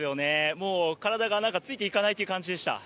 もう、体がなんか、ついていかないという感じでした。